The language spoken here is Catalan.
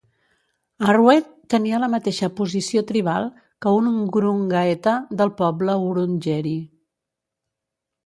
Arweet tenia la mateixa posició tribal que un ngurungaeta del poble Wurundjeri.